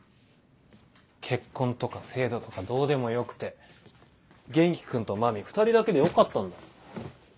結婚とか制度とかどうでもよくて元気君と麻美２人だけでよかったんだろ？